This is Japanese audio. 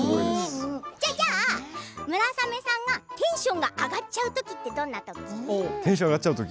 じゃあ村雨さんがテンション上がっちゃう時ってどんな時？